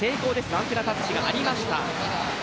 アンテナタッチがありました。